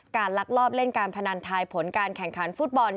ลักลอบเล่นการพนันทายผลการแข่งขันฟุตบอล